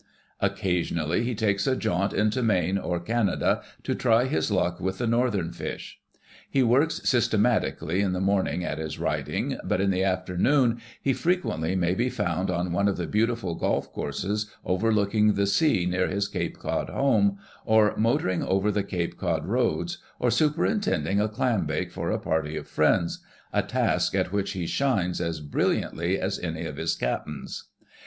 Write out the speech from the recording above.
Occasionally he takes a jaunt into Maine or Canada to try his luck with the northern fish. He works systematically in the moi ning at his writing, but in the after noon he frequently may be found on one of the beautiful golf courses overlooking the sea near his Cape Cod home, or motor ing over the Cape Cod roads, or superintending a clambake for a party of friends, a task at which he shines as brilliantly as any of his cap'ns.